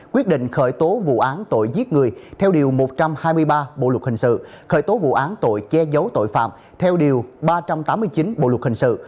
quyết định khởi tố vụ án tội giết người theo điều một trăm hai mươi ba bộ luật hình sự khởi tố vụ án tội che giấu tội phạm theo điều ba trăm tám mươi chín bộ luật hình sự